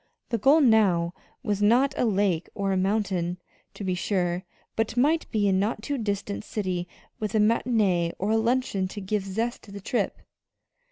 The goal now was not a lake or a mountain, to be sure; but might be a not too distant city with a matinée or a luncheon to give zest to the trip.